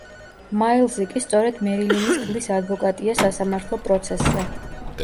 მაილზი კი სწორედ მერილინის ქმრის ადვოკატია სასამართლო პროცესზე.